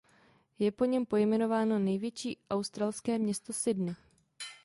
Je po něm pojmenováno největší australské město Sydney.